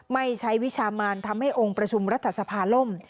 ไม่ใช้วิชามานทำให้องค์ประชุมรัฐสภาล่ม